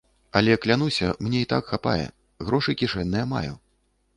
Але клянуся, мне і так хапае, грошы кішэнныя маю.